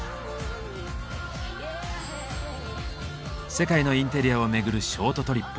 世界のインテリアを巡るショートトリップ。